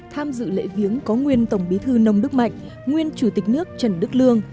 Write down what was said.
tham dự lễ viếng có nguyên tổng bí thư nông đức mạnh nguyên chủ tịch nước trần đức lương